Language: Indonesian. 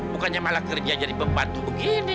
bukannya malah kerja jadi pembantu begini